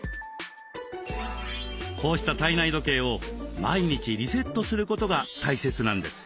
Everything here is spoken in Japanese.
こうした体内時計を毎日リセットすることが大切なんです。